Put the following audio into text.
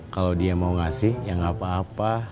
kalo dia mau ngasih ya gapapa